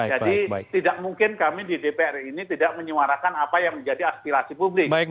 jadi tidak mungkin kami di dpr ini tidak menyuarakan apa yang menjadi aspirasi publik